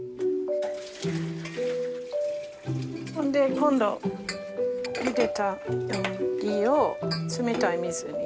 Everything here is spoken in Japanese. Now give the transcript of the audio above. ほんで今度茹でたよもぎを冷たい水に。